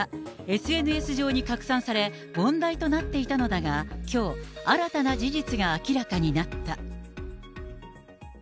ＳＮＳ上に拡散され、問題となっていたのだが、きょう、新たな事実が明らかになった。